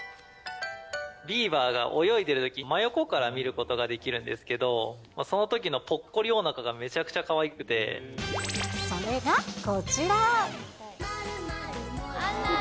ビーバーが泳いでいるとき、真横から見ることができるんですけど、そのときのぽっこりおなかそれがこちら。